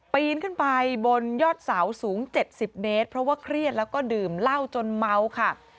ปีนขึ้นไปบนยอดเสาสูง๗๐เมตรเพราะว่าเครียดแล้วก็ดื่มเหล้าจนเมาค่ะ